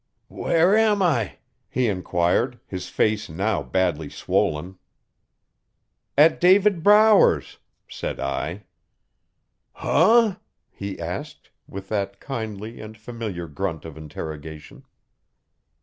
'Where am I?' he enquired, his face now badly swollen. 'At David Brower's,' said I. 'Huh?' he asked, with that kindly and familiar grunt of interrogation.